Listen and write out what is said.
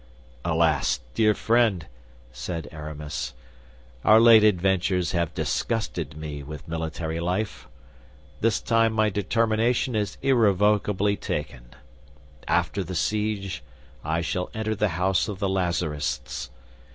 "Alas, dear friend!" said Aramis, "our late adventures have disgusted me with military life. This time my determination is irrevocably taken. After the siege I shall enter the house of the Lazarists.